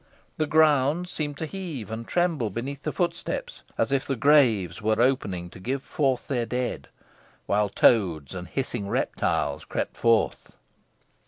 The ground seemed to heave and tremble beneath the footsteps, as if the graves were opening to give forth their dead, while toads and hissing reptiles crept forth.